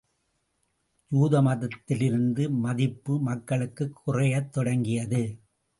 யூத மதத்திலிருந்த மதிப்பு மக்களுக்குக் குறையத் தொடங்கியது.